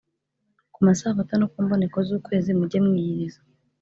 Ku masabato no ku mboneko z’ukwezi, mujye mwiyiriza